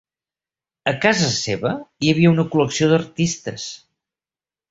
A casa seva hi havia una col·lecció d'artistes.